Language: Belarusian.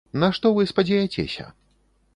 На што вы спадзеяцеся?